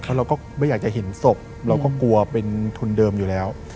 เราก็ไม่อยากจะเห็นศพเราก็กลัวเป็นทุนเดิมอยู่แล้ว